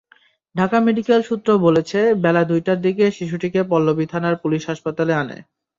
Dhaka medical সূত্র বলেছে, বেলা দুইটার দিকে শিশুটিকে পল্লবী থানার পুলিশ হাসপাতালে আনে।